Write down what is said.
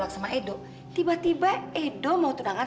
jangan ibunya sudah percaya um scorpio saya